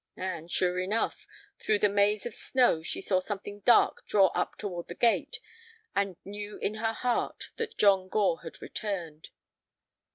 And, sure enough, through the maze of snow she saw something dark draw up toward the gate, and knew in her heart that John Gore had returned.